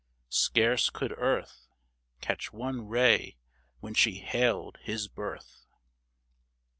Scarce could Earth Catch one ray when she hailed his birth